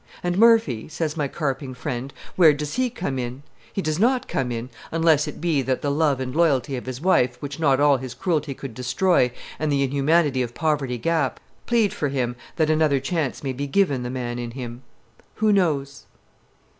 And Murphy, says my carping friend, where does he come in? He does not come in; unless it be that the love and loyalty of his wife which not all his cruelty could destroy, and the inhumanity of Poverty Gap, plead for him that another chance may be given the man in him. Who knows?